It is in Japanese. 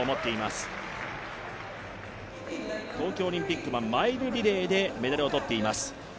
東京オリンピックはマイルリレーでメダルを取っています。